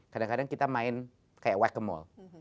kadang kadang kita main kayak whack a mole